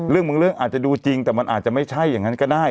บางเรื่องอาจจะดูจริงแต่มันอาจจะไม่ใช่อย่างนั้นก็ได้